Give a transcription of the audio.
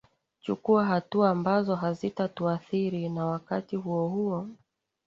chukua hatua ambazo hazita tuadhiri na wakati huo huo